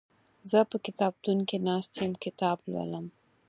زه په کتابتون کې ناست يم کتاب لولم